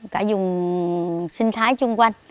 cả dùng sinh thái chung quanh